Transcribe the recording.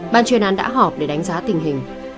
ban chuyên án đã họp để đánh giá tình hình